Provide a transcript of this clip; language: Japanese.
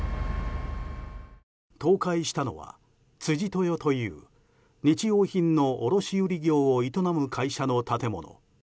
倒壊したのは、辻豊という日用品の卸売業を営む会社の建物。